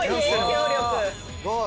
すごい。